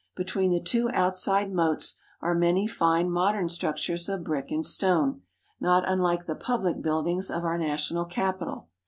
Between the two outside moats are many fine modern structures of brick and stone, not unlike the public buildings of our National Capital.